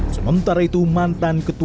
sementara itu mana yang terjadi